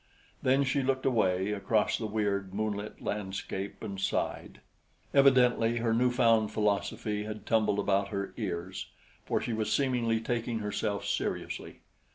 Then she looked away across the weird moonlit landscape and sighed. Evidently her new found philosophy had tumbled about her ears, for she was seemingly taking herself seriously.